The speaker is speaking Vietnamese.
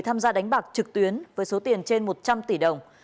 tham gia đánh bạc trực tuyến với số tiền trên một trăm linh tỷ đồng